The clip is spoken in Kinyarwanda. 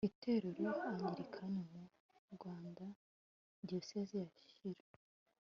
itorero anglikani mu rwandadiyoseze ya shyira